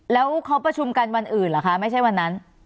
แล้วเขาประชุมกันวันอื่นเหรอคะไม่ใช่วันนั้น